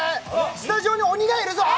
スタジオに鬼がいるぞ！